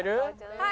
はい。